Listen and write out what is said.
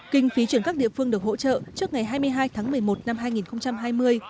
kinh phí chuyển các địa phương được hỗ trợ trước ngày hai mươi hai tháng một mươi một năm hai nghìn hai mươi